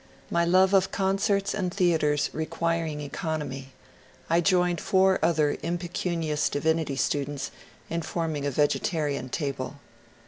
My love of conoerts and theatres requiring economy, I joined four other impecunious divinity students in forming a vegetarian table.